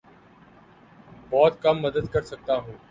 بہت کم مدد کر سکتا ہوں